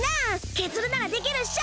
ケズルならできるっしょ！